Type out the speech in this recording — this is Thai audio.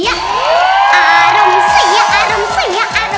โมโฮโมโฮโมโฮ